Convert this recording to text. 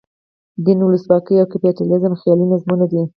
دین، ولسواکي او کپیټالیزم خیالي نظمونه دي.